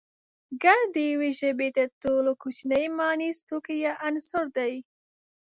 گړ د يوې ژبې تر ټولو کوچنی مانيز توکی يا عنصر دی